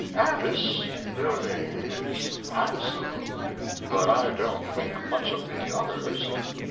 And " "This building is handsome, but I don't think much of the others.